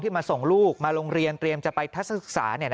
มาส่งลูกมาโรงเรียนเตรียมจะไปทัศนศึกษา